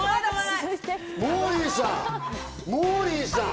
モーリーさん。